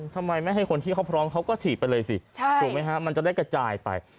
ทำไมไม่ให้คนที่เขาพร้อมเขาก็ฉีดไปเลยสิถูกไหมฮะมันจะได้กระจายไป